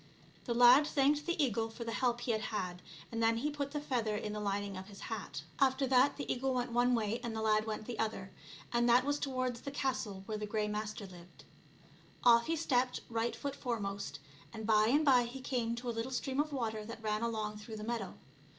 The lad thanked the eagle for the help he had had, and then he put the ieather in the lining of his hat. gb ONE GOOD TURN DESERVES ANOTHER. After that the eagle went one way and the lad went the other, and that was towards the castle where the Grey Master lived. Off he stepped right foot foremost, and by and by he came to a little stream of water that ran along through the meadow.